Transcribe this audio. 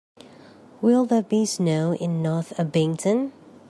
Will there be snow in North Abington